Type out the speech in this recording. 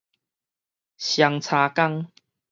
雙叉江